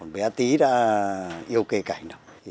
bé tí đã yêu cây cảnh rồi